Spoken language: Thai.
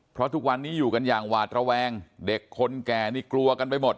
เพราะทุกวันนี้อยู่กันอย่างหวาดระแวงเด็กคนแก่นี่กลัวกันไปหมด